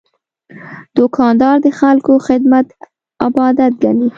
دوکاندار د خلکو خدمت عبادت ګڼي.